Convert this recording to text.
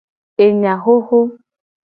Enya xoxo.